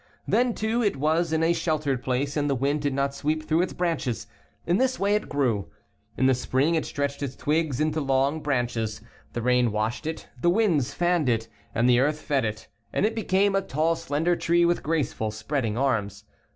Then, too, it was in a sheltered place and the wind did not sweep through its branches. In this way it grew. In the spring it stretched its twigs into long .^s branches. The rains washed it, the ' winds fanned it, and the earth fed it And it became a tall, slender tree, with graceful, spreading arms.